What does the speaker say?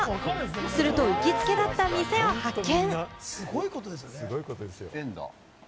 すると、行きつけだった店を発見。